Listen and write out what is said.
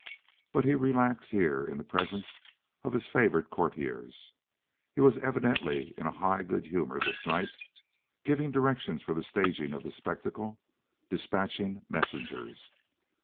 But he relaxed here in the presence of his favored courtiers. He was evidently in a high good humor this night, giving directions for the staging of the spectacle, despatching messengers.